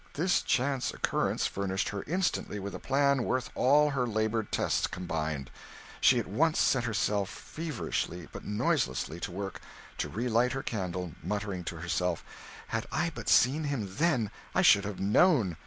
This chance occurrence furnished her instantly with a plan worth all her laboured tests combined. She at once set herself feverishly, but noiselessly, to work to relight her candle, muttering to herself, "Had I but seen him then, I should have known!